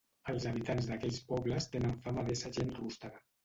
Els habitants d'aquells pobles tenen fama d'ésser gent rústega.